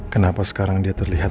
kenapa sekarang dia terlihat